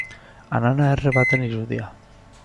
Anana erre baten irudia.